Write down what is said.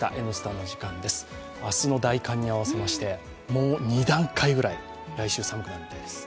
明日の大寒に合わせまして、もう２段階くらい来週、寒くなるといわれています。